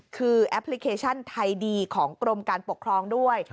คือแอปพลิเคชันไทยดีของกรมการปกครองด้วย